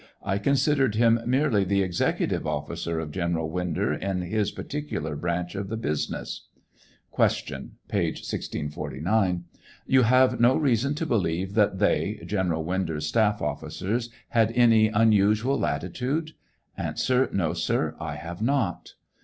I considered him merely the executive officer of General Winder in his particular branch of the business. Q. (Page 1649 ) You have no reason to believe that they (General Winder's staff officers) had any unusual latitude ? A. No, sir ; I have not.